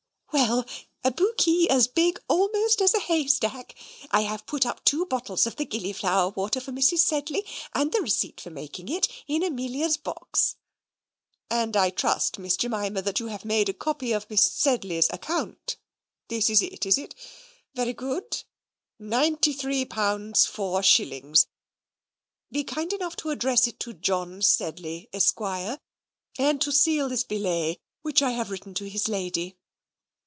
"Well, a booky as big almost as a haystack; I have put up two bottles of the gillyflower water for Mrs. Sedley, and the receipt for making it, in Amelia's box." "And I trust, Miss Jemima, you have made a copy of Miss Sedley's account. This is it, is it? Very good ninety three pounds, four shillings. Be kind enough to address it to John Sedley, Esquire, and to seal this billet which I have written to his lady."